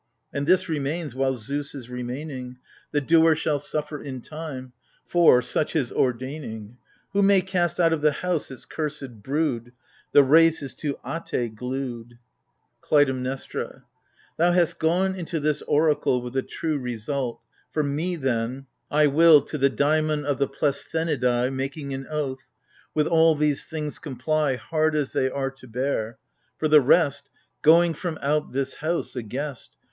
And this remains while Zeus is remaining, "The doer shall suffer in time" — for, such his ordaining. Who may cast out of the House its cursed brood ? The race is to Ate glued ! AGAMEMNON. 137 KLUTAIMNESTRA. Thou hast gone into this oracle With a true result. For me, then, — I will — To the Daimon of the Pleisthenidai Making an oath — with all these things comply Hard as they are to bear. For the rest — Going from out this House, a guest.